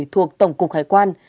thuộc tổng cục hải quan